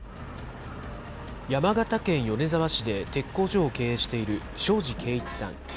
山形県米沢市で鉄工所を経営している庄司恵一さん。